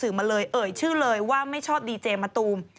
เอ่ยชื่อเลยว่าไม่ชอบดีเจมัตตูม